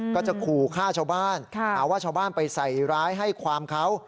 ก็จะขู่ฆ่าชาวบ้านหาว่าชาวบ้านไปใส่ร้ายให้ความเขา